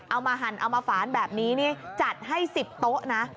หั่นเอามาฝานแบบนี้นี่จัดให้๑๐โต๊ะนะ